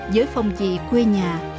với phong trị quê nhà